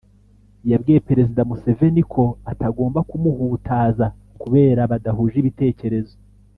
yabwiye Perezida Museveni ko atagomba kumuhutaza kubera badahuje ibitekerezo